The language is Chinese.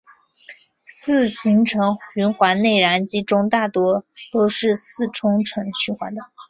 四行程循环内燃机中大多都是四冲程循环的。